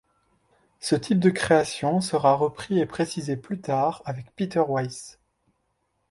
Ce type de création sera repris et précisé plus tard avec Peter Weiss.